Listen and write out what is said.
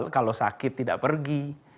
kalau sakit tidak pergi